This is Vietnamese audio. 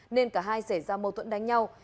nên cả hai xảy ra mâu thuẫn đánh nhau